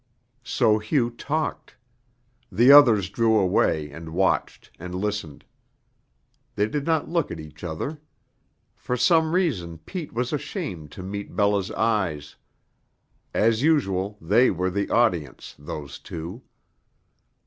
So Hugh talked. The others drew away and watched and listened. They did not look at each other. For some reason Pete was ashamed to meet Bella's eyes. As usual, they were the audience, those two.